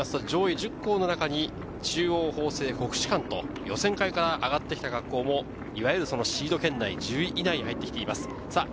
上位１０校の中に中央、法政、国士舘と予選会から上がった学校もいわゆるシード圏内、１０以内に入ってきています。